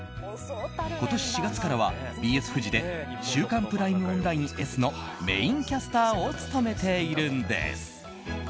今年４月からはＢＳフジで「週刊プライムオンラインＳ」のメインキャスターを務めているんです。